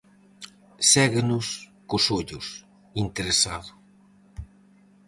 Séguenos cos ollos, interesado.